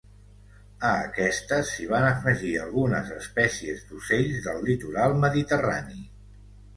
A aquestes s'hi van afegir algunes espècies d'ocells del litoral mediterrani.